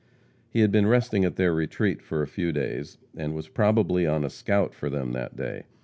He had been resting at their retreat for a few days, and was probably on a scout for them that day.